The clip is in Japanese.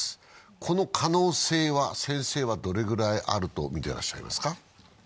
この可能性はどれぐらいあると見てらっしゃいますか？